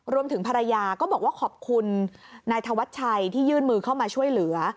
รวมถึงภรรยาก็บอกว่าขอบคุณนายธวัชชัยที่ยื่นมือเข้ามาช่วยเหลือ